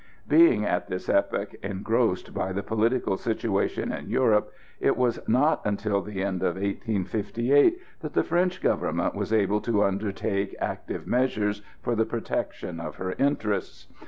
Being at this epoch engrossed by the political situation in Europe, it was not until the end of 1858 that the French Government was able to undertake active measures for the protection of her interests.